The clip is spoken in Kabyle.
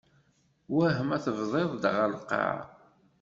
Wah ma tebdiḍ-d ɣef lqaε?